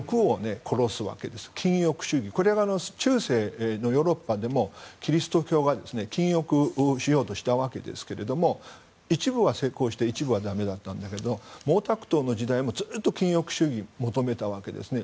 これは中世のヨーロッパでもキリスト教は禁欲しようとしたわけですが一部は成功して一部は駄目だったんだけど毛沢東の時代もずっと禁欲主義を求めたわけだよね。